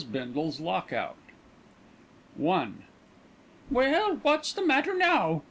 BINDLE'S LOCK OUT I "Well! What's the matter now?